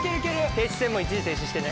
停止線も一時停止してね。